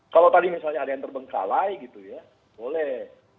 kalau tadi misalnya ada yang terbengkalai boleh